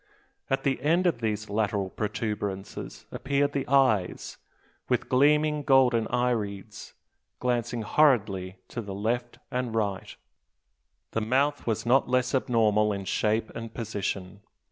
At the end of these lateral protuberances appeared the eyes, with gleaming golden irides, glancing horridly to the right and left. The mouth was not less abnormal in shape and position.